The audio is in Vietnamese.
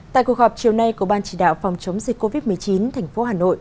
tại cuộc họp chiều nay của ban chỉ đạo phòng chống dịch covid một mươi chín tp hà nội